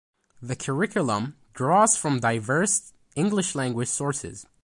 The curriculum draws from diverse English language sources.